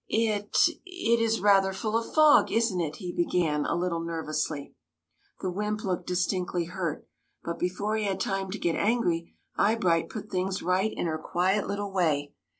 "It — it is rather full of fog, isn't it?'' he began, a little nervously. The wymp looked distinctly hurt; but before he had time to get angry Eyebright put things right in her quiet little way.